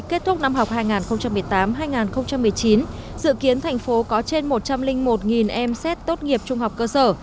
kết thúc năm học hai nghìn một mươi tám hai nghìn một mươi chín dự kiến thành phố có trên một trăm linh một em xét tốt nghiệp trung học cơ sở